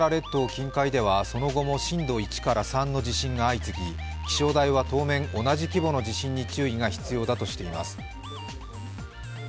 近海ではその後も震度１から３の地震が相次ぎ気象台は当面、同じ規模の地震に注意が必要だとしています。